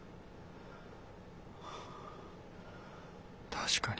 確かに。